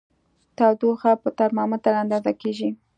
تودوخه په ترمامیتر اندازه کېږي.